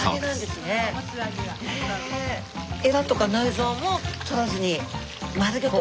えらとか内臓も取らずに丸ごと。